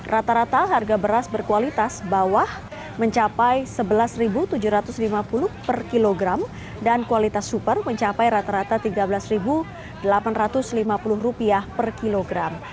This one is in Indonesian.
rata rata harga beras berkualitas bawah mencapai rp sebelas tujuh ratus lima puluh per kilogram dan kualitas super mencapai rata rata rp tiga belas delapan ratus lima puluh per kilogram